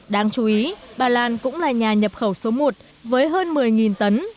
đáng chú ý bà lan cũng là nhà nhập khẩu số một với hơn một mươi tấn